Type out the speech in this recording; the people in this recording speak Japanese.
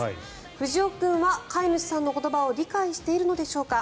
富士お君は飼い主さんの言葉を理解しているのでしょうか。